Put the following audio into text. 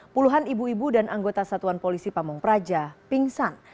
puluhan ibu ibu dan anggota satuan polisi pamung praja pingsan